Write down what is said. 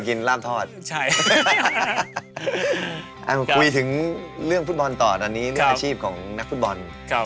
ก็ส็บใช้ราบทอด